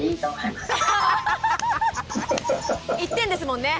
１点ですもんね。